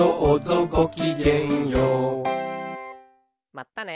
まったね。